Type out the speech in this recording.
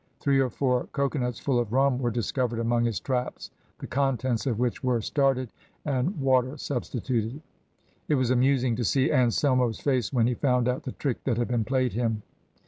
Three or four cocoanuts full of rum were discovered among his traps, the contents of which were started, and water substituted. It was amusing to see Anselmo's face, when he found out the trick that had been played him.